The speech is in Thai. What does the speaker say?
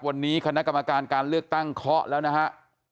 วันนี้คณะกรรมการการเลือกตั้งเคาะแล้วนะฮะ